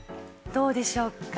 どうでしょうか？